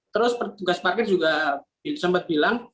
terus petugas parkir juga sempat bilang